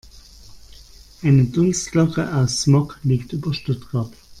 Eine Dunstglocke aus Smog liegt über Stuttgart.